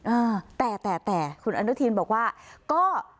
อ่าแต่แต่แต่คุณอนุทินบอกว่าก็